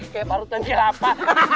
kayak parutan jelapa